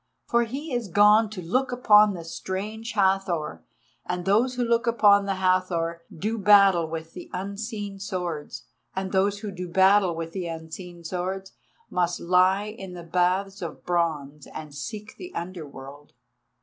For he is gone up to look upon the Strange Hathor, and those who look upon the Hathor do battle with the Unseen Swords, and those who do battle with the Unseen Swords must lie in the baths of bronze and seek the Under World."